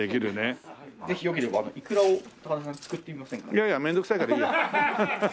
いやいや面倒くさいからいいや。